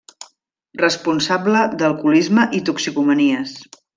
Responsable d'Alcoholisme i Toxicomanies.